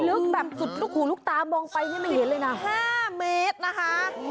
ลึกแบบแสบคู่ลูกตามองไปไม่เห็นเลยนะศิษฐ์๑๕เมตรนะคะ